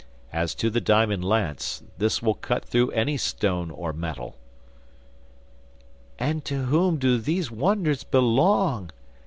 As to the diamond lance, that will cut through any stone or metal.' 'And to whom do these wonders belong?